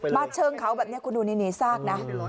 เชิงเขาแบบนี้คุณดูนี่ซากนะ